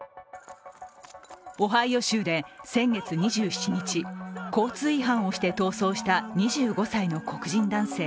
オハイオ州で先月２７日、交通違反をして逃走した２５歳の黒人男性